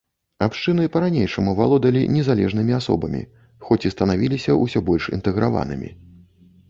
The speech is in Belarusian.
Абшчыны па-ранейшаму валодалі незалежнымі асобамі, хоць і станавіліся ўсё больш інтэграванымі.